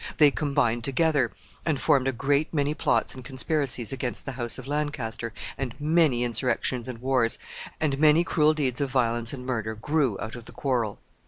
They combined together, and formed a great many plots and conspiracies against the house of Lancaster, and many insurrections and wars, and many cruel deeds of violence and murder grew out of the quarrel.